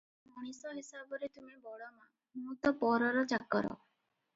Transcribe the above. ମଣିଷ ହିସାବରେ ତୁମେ ବଡ଼ ମା, ମୁଁ ତ ପରର ଚାକର ।